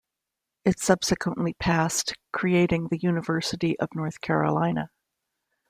It subsequently passed, creating the University of North Carolina.